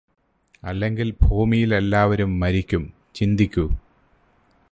അല്ലെങ്കില് ഭൂമിയിലെല്ലാവരും മരിക്കും ചിന്തിക്കൂ